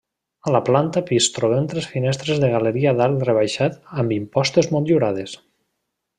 A la planta pis trobem tres finestres de galeria d'arc rebaixat amb impostes motllurades.